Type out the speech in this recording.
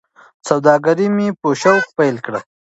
سوداګري مې په شوق پیل کړه.